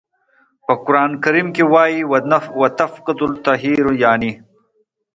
په قرآن کریم کې وایي "و تفقد الطیر" یانې.